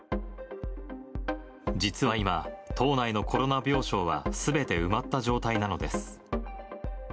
実は今、島内のコロナ病床はすべて埋まった状態なのです。